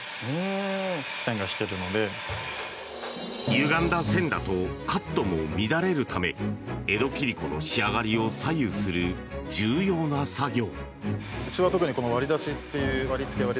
ゆがんだ線だとカットも乱れるため江戸切子の仕上がりを左右する重要な作業。